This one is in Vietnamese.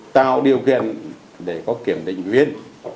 tạo điều kiện để có kiểm định viên